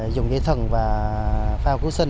dùng dây thần và phao cứu sinh